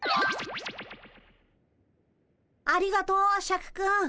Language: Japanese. ありがとうシャクくん。